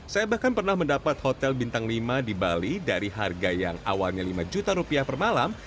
saya bahkan pernah mendapat hotel bintang lima di bali dari harga yang awalnya lima juta rupiah per malam